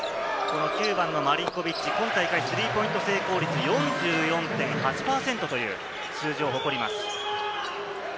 ９番・マリンコビッチ、今大会スリーポイント成功率４４．８％という数字を誇ります。